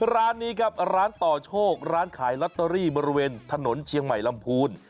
ร้านนี้ครับร้านต่อโชคร้านขายลอตเตอรี่บริเวณถนนเชียงใหม่ลำพูน